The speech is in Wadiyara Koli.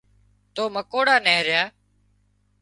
تو مڪوڙا نيهريا